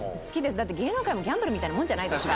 だって、芸能界もギャンブルみたいなもんじゃないですか。